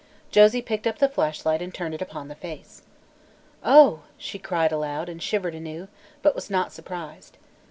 Josie picked up the flashlight and turned it upon the face. "Oh!" she cried aloud, and shivered anew, but was not surprised.